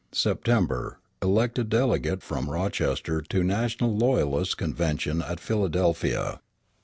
September. Elected delegate from Rochester to National Loyalists' Convention at Philadelphia.